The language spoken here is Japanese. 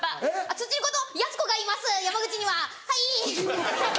ツチノコとやす子がいます山口にははい。